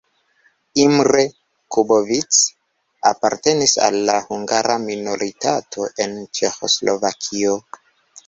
Imre Kubovics apartenis al la hungara minoritato en Ĉeĥoslovakio.